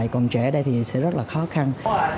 còn trẻ đây thì sẽ rất là khó khăn